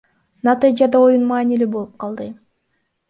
Натыйжада оюн маанилүү болуп калды.